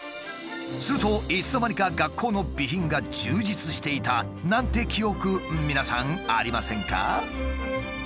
するといつの間にか学校の備品が充実していたなんて記憶皆さんありませんか？